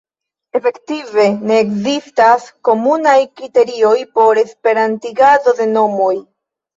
Efektive ne ekzistas komunaj kriterioj por esperantigado de nomoj.